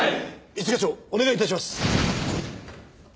一課長お願い致します。